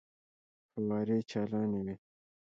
فوارې چالانې وې.